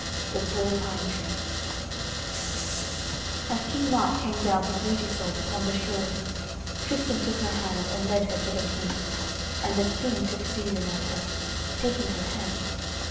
THE TALL PINE TREE As King Mark came down to greet Iseult upon the shore, Tristan took her hand and led her to the King and the King took seizin of her, taking her hand.